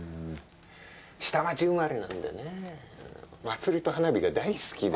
下町生まれなんでね祭りと花火が大好きで。